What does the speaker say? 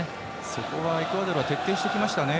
そこはエクアドルは徹底してきましたね。